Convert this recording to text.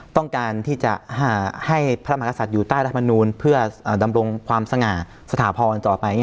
ต้องการที่จะให้พระมหากษัตริย์อยู่ใต้รัฐมนูลเพื่อดำรงความสง่าสถาพรต่อไป